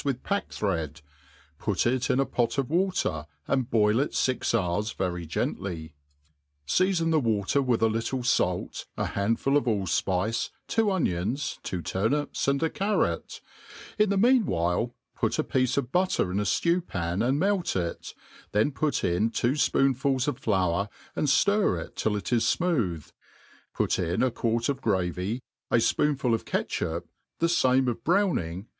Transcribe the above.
with pack thread ; p9t it in a pot of water, and boil it fix hours *► D very 1 34 THE ART OP COOKERY very gently ; feafon the water with a little fait, a* homdfal of alUfpice, two onions, two turnips, and a carrot ; in the roeati* while put a piece of butter in a ftew pan and melt it, then pat in two fpoonfuls of flour, and ftir it till it is fmooth ; put in a< quart of gravy, a fpoanfol of catchup, the faoie of browning